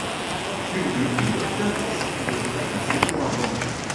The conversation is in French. Curieux, le Docteur décide de faire un séjour à bord.